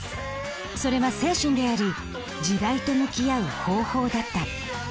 それは精神であり時代と向き合う方法だった。